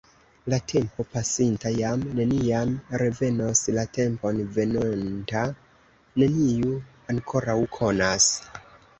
La tempo pasinta jam neniam revenos; la tempon venontan neniu ankoraŭ konas.